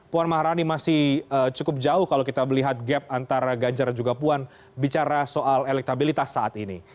puan maharani masih cukup jauh kalau kita melihat gap antara ganjar dan juga puan bicara soal elektabilitas saat ini